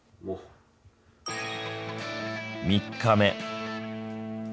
３日目。